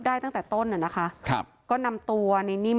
ได้ตั้งแต่ต้นนะคะปฏิเสธก็นำตัวณนิม